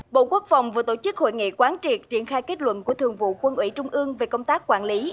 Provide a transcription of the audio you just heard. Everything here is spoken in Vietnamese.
bộ quốc phòng vừa tổ chức hội nghị quán triệt triển khai kết luận của thường vụ quân ủy trung ương về công tác quản lý